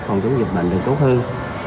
phòng chống dịch bệnh được tốt hơn